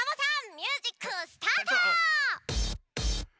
ミュージックスタート！